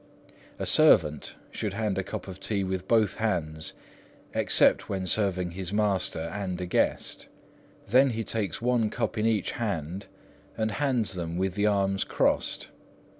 A servant should hand a cup of tea with both hands, except when serving his master and a guest. Then he takes one cup in each hand, and hands them with the arms crossed.